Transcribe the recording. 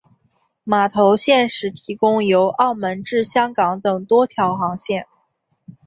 码头现时提供由澳门至香港等多条航线。